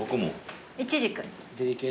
イチジク。